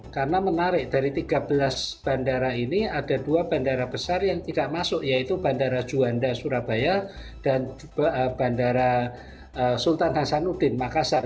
karena menarik dari tiga belas bandara ini ada dua bandara besar yang tidak masuk yaitu bandara juanda surabaya dan bandara sultan hasanuddin makassar